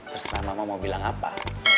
terus mama mau bilang apa